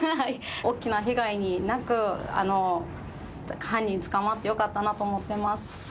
大きな被害なく、犯人捕まってよかったなって思ってます。